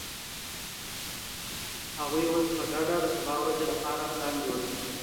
هغوی اوس په ګډه د سبا ورځې لپاره پلان جوړوي.